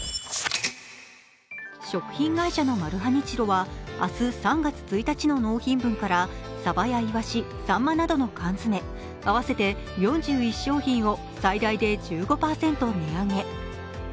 食品会社のマルハニチロは明日３月１日の納品分から鯖やいわし、さんまなどの缶詰合わせて４１商品を最大で１５％値上げ。